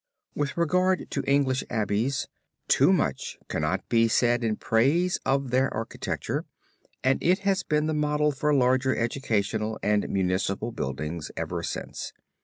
With regard to the English Abbeys too much cannot be said in praise of their architecture and it has been the model for large educational and municipal buildings ever since.